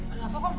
ada apa kok